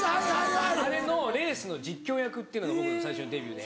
あれのレースの実況役っていうのが僕の最初のデビューで。